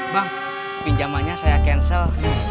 bang pinjamannya saya cancel